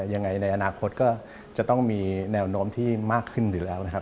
ในอนาคตก็จะต้องมีแนวโน้มที่มากขึ้นอยู่แล้วนะครับ